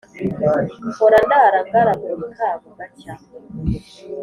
mpora ndara ngaragurika bugacya